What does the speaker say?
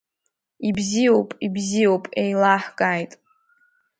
Ибзиоуп, ибзиоуп, еилаҳкааит!